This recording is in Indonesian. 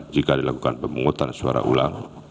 jika dilakukan pemungutan suara ulang